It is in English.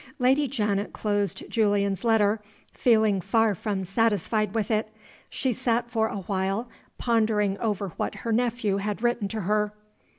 Lady Janet closed Julian's letter, feeling far from satisfied with it. She sat for a while, pondering over what her nephew had written to her.